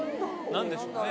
何でしょうね？